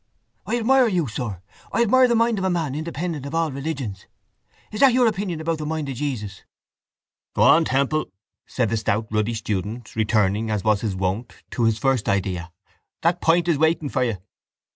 I admire you, sir. I admire the mind of man independent of all religions. Is that your opinion about the mind of Jesus? —Go on, Temple, said the stout ruddy student, returning, as was his wont, to his first idea, that pint is waiting for you.